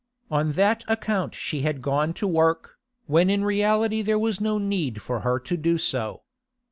On that account she had gone to work, when in reality there was no need for her to do so.